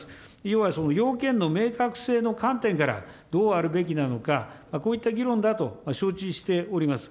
要はその要件の明確性の観点から、どうあるべきなのか、こういった議論だと承知しております。